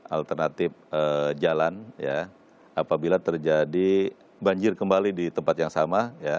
alternatif jalan apabila terjadi banjir kembali di tempat yang sama